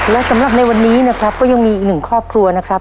และสำหรับในวันนี้นะครับก็ยังมีอีกหนึ่งครอบครัวนะครับ